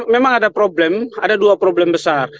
memang ada problem ada dua problem besar